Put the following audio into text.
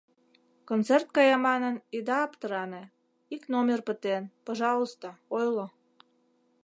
Концерт кая манын, ида аптране, ик номер пытен — пожалуйста, ойло.